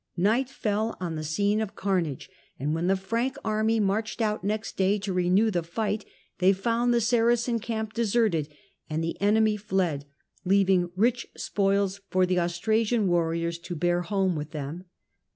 Night fell on the scene of carnage, and when the Frank army marched out next day to renew the fight they found the Saracen camp deserted and the enemy fled, leaving rich spoils for the Austrasian warriors to bear home with them.